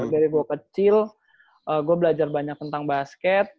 dari gue kecil gue belajar banyak tentang basket